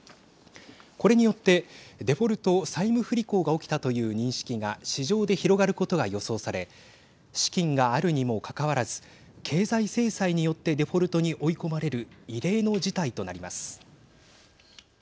これによってデフォルト＝債務不履行が起きたという認識が市場で広がることが予想され資金があるにもかかわらず経済制裁によってデフォルトに追い込まれる異例の事態となります。